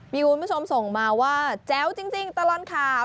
มีคุณผู้ชมส่งมาว่าแจ๋วจริงตลอดข่าว